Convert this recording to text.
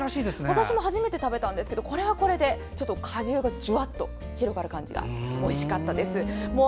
私も初めて食べたんですがこれはこれで果汁がじゅわっと広がる感じがおいしかったです。